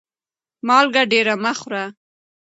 مالګه ډيره مه خوره